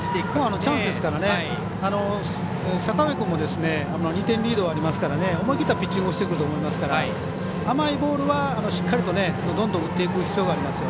チャンスですから阪上君も２点リードはありますから思い切ったピッチングをしてくると思いますから甘いボールは、しっかりとどんどん打っていく必要がありますよ。